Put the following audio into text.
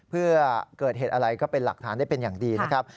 เพื่อเกิดเหตุอะไรก็เป็นหลักฐานได้เป็นอย่างดีนะครับ